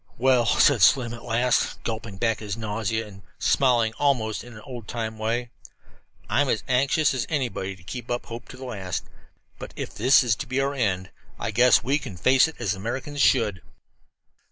"Well," said Slim at last, gulping back his nausea, and smiling almost in his old time way, "I'm as anxious as anybody to keep up hope to the last. But if this is to be our end, I guess we can face it as Americans should."